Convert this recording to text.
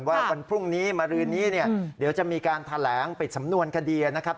วันพรุ่งนี้มารืนนี้เนี่ยเดี๋ยวจะมีการแถลงปิดสำนวนคดีนะครับ